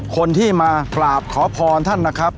คนที่มากราบขอพรท่านนะครับ